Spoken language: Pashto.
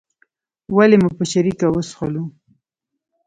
ولې مو په شریکه وڅښلو.